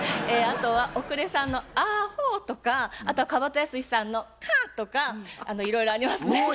あとはオクレさんの「あほ！」とかあとは川畑泰史さんの「カーッ！」とかいろいろありますね。